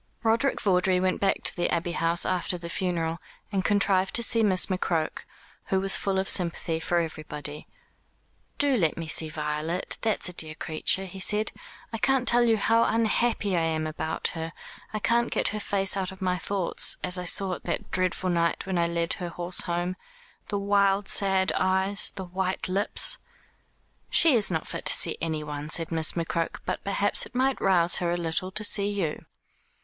Roderick Vawdrey went back to the Abbey House after the funeral, and contrived to see Miss McCroke, who was full of sympathy for everybody. "Do let me see Violet, that's a dear creature," he said. "I can't tell you how unhappy I am about her. I can't get her face out of my thoughts, as I saw it that dreadful night when I led her horse home the wild sad eyes, the white lips." "She is not fit to see anyone," said Miss McCroke; "but perhaps it might rouse her a little to see you."